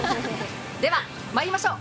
では、まいりましょう。